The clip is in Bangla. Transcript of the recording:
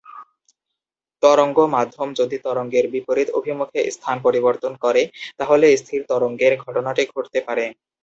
তরঙ্গ মাধ্যম যদি তরঙ্গের বিপরীত অভিমুখে স্থান পরিবর্তন করে, তাহলে স্থির তরঙ্গের ঘটনাটি ঘটতে পারে।